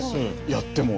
やっても。